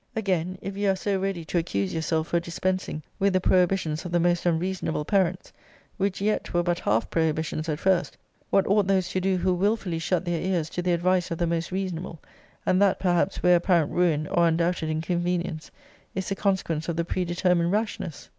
Again, if you are so ready to accuse yourself for dispensing with the prohibitions of the most unreasonable parents, which yet were but half prohibitions at first, what ought those to do, who wilfully shut their ears to the advice of the most reasonable; and that perhaps, where apparent ruin, or undoubted inconvenience, is the consequence of the predetermined rashness?